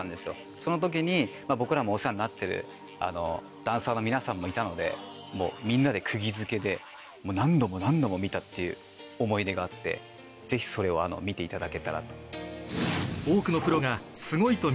その時に僕らもお世話になってるダンサーの皆さんもいたのでみんなで釘付けでもう何度も何度も見たっていう思い出があってぜひそれを見ていただけたらと。